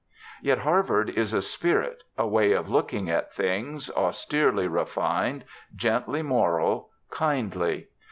Yet Harvard is a spirit, a way of looking at things, austerely refined, gently moral, kindly.